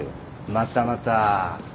またまた。